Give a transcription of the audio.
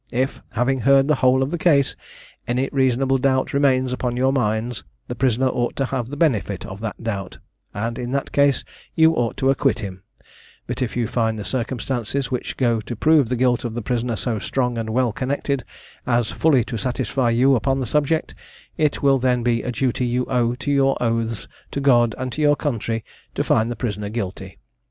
If, having heard the whole of the case, any reasonable doubt remains upon your minds, the prisoner ought to have the benefit of that doubt, and in that case you ought to acquit him; but if you find the circumstances which go to prove the guilt of the prisoner so strong and well connected, as fully to satisfy you upon the subject, it will then be a duty you owe to your oaths, to God, and your country, to find the prisoner guilty.